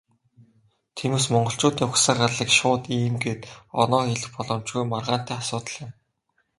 Тиймээс, монголчуудын угсаа гарлыг шууд "ийм" гээд оноон хэлэх боломжгүй, маргаантай асуудал юм.